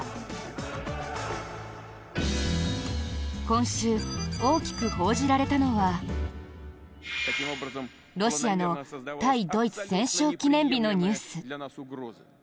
今週、大きく報じられたのはロシアの対ドイツ戦勝記念日のニュース。